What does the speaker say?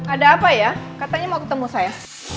ada apa ya katanya mau ketemu saya